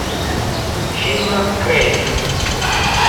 Jim Craig